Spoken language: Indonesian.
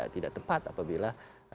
tidak tepat apabila